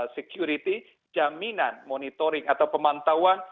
security jaminan monitoring atau pemantauan